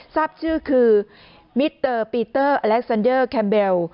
ทราบชื่อคือมิเตอร์ปีเตอร์อเล็กซันเดอร์แคมเบล